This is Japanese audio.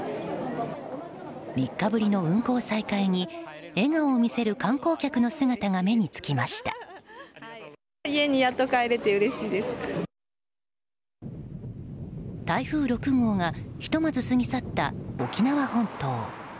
３日ぶりの運航再開に笑顔を見せる観光客の姿が台風６号がひとまず過ぎ去った沖縄本島。